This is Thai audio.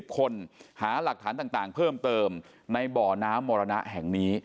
คนหาหลักฐานต่างเพิ่มเติมในบ่อน้ำมรณะแห่งนี้